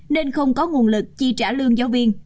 nên không có nguồn lực chi trả lương giáo viên